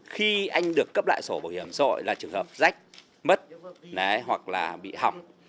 khi anh được cấp lại sổ bảo hiểm xã hội là trường hợp rách mất hoặc là bị hỏng